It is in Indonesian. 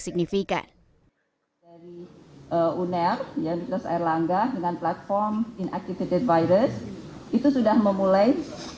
signifikan dari uner yang dikosongkan dengan platform inactivated virus itu sudah memulai